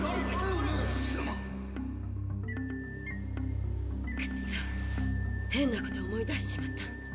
くそ変なこと思い出しちまった。